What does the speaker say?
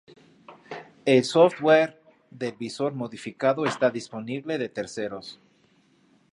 El software del visor modificado está disponible de terceros.